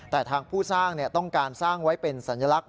แต่ทางผู้สร้างต้องการสร้างไว้เป็นสัญลักษณ